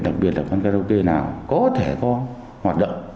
đặc biệt là karaoke nào có thể có hoạt động